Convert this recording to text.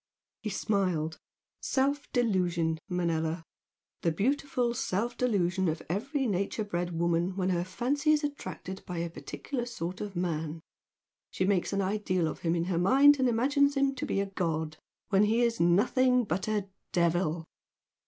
He smiled. "Self delusion, Manella! The beautiful self delusion of every nature bred woman when her fancy is attracted by a particular sort of man. She makes an ideal of him in her mind and imagines him to be a god, when he is nothing but a devil!"